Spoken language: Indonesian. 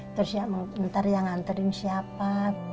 terus nanti yang nganterin siapa